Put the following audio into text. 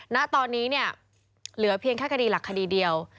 ณตอนนี้เนี่ยเหลือเพียงแค่คดีหลักคดีเดียว